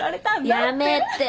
やめて。